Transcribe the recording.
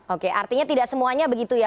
oke artinya tidak semuanya begitu ya